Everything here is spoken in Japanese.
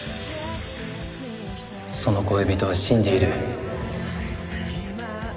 その恋人は死んでいる。